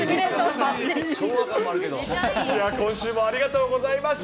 今週もありがとうございました。